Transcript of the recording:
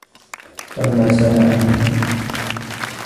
لَمَا سَارَ عَنْهُ